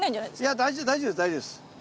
いや大丈夫大丈夫大丈夫です。